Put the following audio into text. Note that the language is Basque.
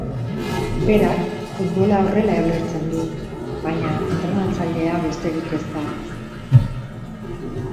Berak futbola horrela ulertzen du, baina entrenatzailea besterik ez da.